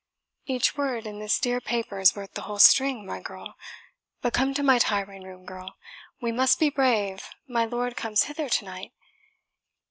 "Each word in this dear paper is worth the whole string, my girl. But come to my tiring room, girl; we must be brave, my lord comes hither to night.